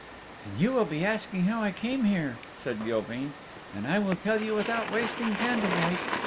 "And you will be asking how I came here," said Gilveen, "and I will tell you without wasting candle light.